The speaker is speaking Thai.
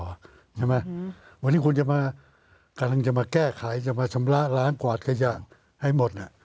วันนี้คุณจะมาแก้ไขมาชำระลั้งหวาดขยะให้หมดน่ะ